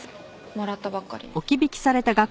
もらったばっかりの。